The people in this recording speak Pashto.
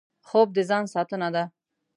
خوب د ځان ساتنه ده